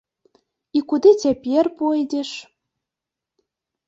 І куды цяпер пойдзеш?